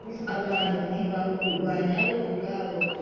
abantu ntibakurwany bo ubwabo.